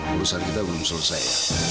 urusan kita belum selesai